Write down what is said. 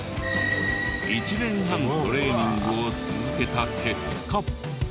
１年半トレーニングを続けた結果。